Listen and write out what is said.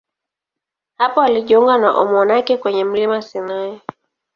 Hapo alijiunga na umonaki kwenye mlima Sinai.